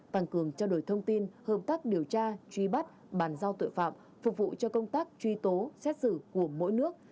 tăng cường trao đổi thông tin hợp tác điều tra truy bắt bàn giao tội phạm phục vụ cho công tác truy tố xét xử của mỗi nước